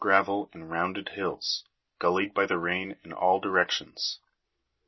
mass of gravel in rounded hills, gullied by the rain in all directions.